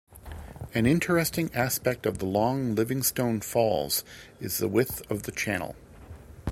An interesting aspect of the long Livingstone Falls is the width of the channel.